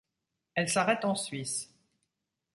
Elle s'arrête en Suisse.